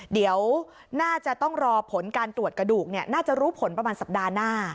เดี๋ยวน่าจะต้องรอผลการตรวจกระดูกน่าจะรู้ผลประมาณสัปดาห์หน้า